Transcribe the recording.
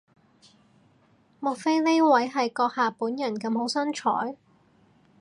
莫非呢位係閣下本人咁好身材？